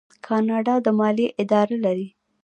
کاناډا د مالیې اداره لري.